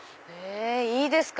いいですか？